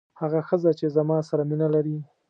هغه ښځه چې زما سره مینه لري.